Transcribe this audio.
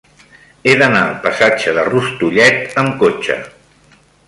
He d'anar al passatge de Rustullet amb cotxe.